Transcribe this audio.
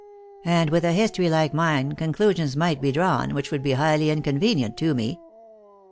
And with a history like mine conclusions might be drawn which would be highly inconvenient to me.